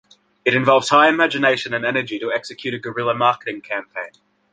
It involves high imagination and energy to execute a guerrilla marketing campaign.